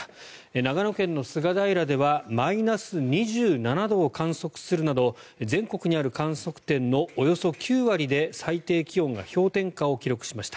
長野県の菅平ではマイナス２７度を観測するなど全国にある観測点のおよそ９割で最低気温が氷点下を記録しました。